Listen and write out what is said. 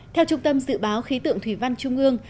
theo trung tâm dự báo khí tượng thủy văn trung ương